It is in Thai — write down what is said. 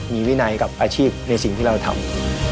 มีวินัยกับอาชีพในสิ่งที่เราทำ